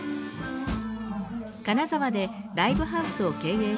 金沢でライブハウスを経営していた